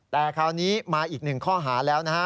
แต่คราวนี้มาอีกหนึ่งข้อหาแล้วนะฮะ